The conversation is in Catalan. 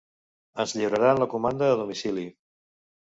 Ens lliuraran la comanda a domicili.